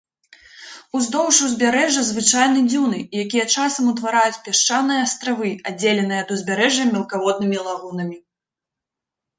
Уздоўж узбярэжжа звычайны дзюны, якія часам утвараюць пясчаныя астравы, аддзеленыя ад узбярэжжа мелкаводнымі лагунамі.